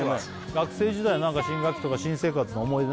学生時代の何か新学期とか新生活の思い出